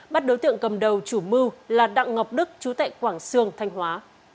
bắt đối tượng cầm đầu chủ mưu là đặng ngọc đức chú tại quảng sương thanh hóa